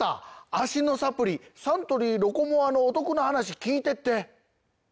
脚のサプリサントリー「ロコモア」のお得な話聞いてって！